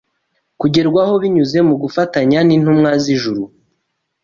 kugerwaho binyuze mu gufatanya n’intumwa z’ijuru